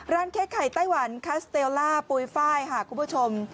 เค้กไข่ไต้หวันคัสเตลล่าปุ๋ยไฟล์ค่ะคุณผู้ชม